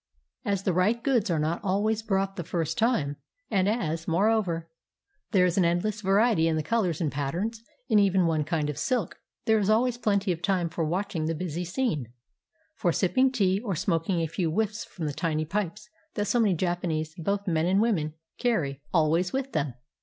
As the right goods are not always brought the first time, and as, moreover, there is an endless variety in the colors and patterns in even one kind of silk, there is always plenty of time for watching the busy scene, — for sip ping tea, or smoking a few whiffs from the tiny pipes that so many Japanese, both men and women, carry 401 JAPAN always with them.